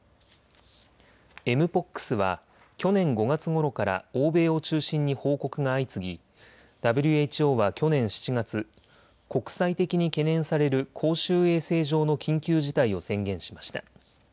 エムポックスは去年５月ごろから欧米を中心に報告が相次ぎＷＨＯは去年７月、国際的に懸念される公衆衛生上の緊急事態を宣言しました。